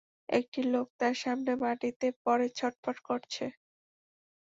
একটি লোক তার সামনে মাটিতে পড়ে ছটফট করছে।